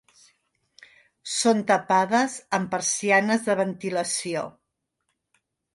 Són tapades amb persianes de ventilació.